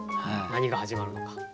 何が始まるのか。